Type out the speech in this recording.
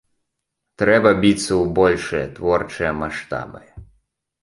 Трэба біцца ў большыя творчыя маштабы.